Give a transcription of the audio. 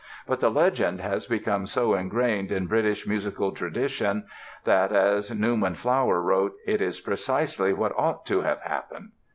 But the legend has become so ingrained in British musical tradition that, as Newman Flower wrote, "it is precisely what ought to have happened."